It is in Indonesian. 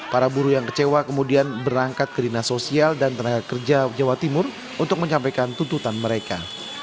para buruh yang kecewa kemudian berangkat ke dinas sosial dan tenaga kerja jawa timur untuk menyampaikan tuntutan mereka